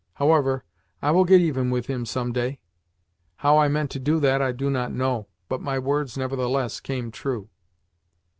However, I will get even with him some day." How I meant to do that I do not know, but my words nevertheless came true.